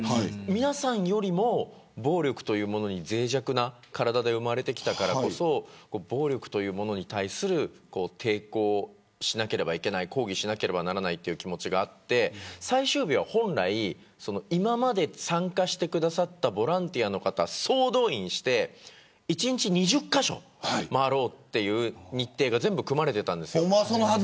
皆さんよりも暴力というものにぜい弱な体で生まれてきたからこそ暴力というものに対する抵抗しなければいけない抗議しなければならない気持ちがあって最終日は本来今まで参加してくださったボランティアの方、総動員して１日２０カ所回ろうという日程が全部組まれていたんです。